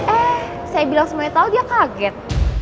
eh saya bilang semuanya tahu dia kaget